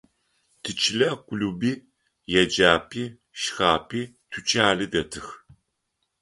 Тичылэ клуби, еджапӏи, шхапӏи, тучани дэтых.